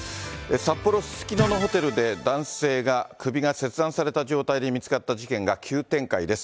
札幌・すすきののホテルで、男性が首が切断された状態で見つかった事件が急展開です。